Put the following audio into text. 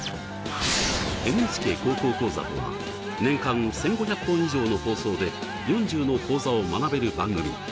「ＮＨＫ高校講座」とは年間１，５００本以上の放送で４０の講座を学べる番組。